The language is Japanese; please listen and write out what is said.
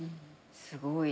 すごい。